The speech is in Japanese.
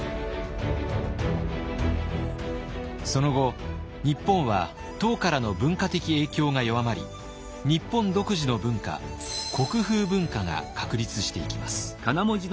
その後日本は唐からの文化的影響が弱まり日本独自の文化国風文化が確立していきます。